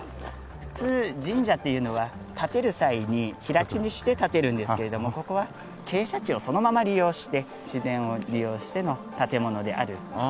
普通神社っていうのは建てる際に平地にして建てるんですけれどもここは傾斜地をそのまま利用して自然を利用しての建物であるんですけれども。